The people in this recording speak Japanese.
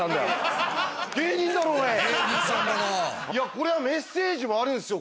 これはメッセージはあるんっすよ。